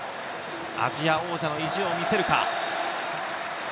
アジア王者の意地を見せるか。